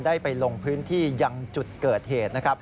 ได้ไปลงพื้นที่ยังจุดเกิดเหตุนะครับ